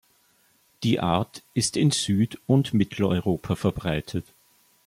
Die Art ist in Süd- und Mitteleuropa verbreitet.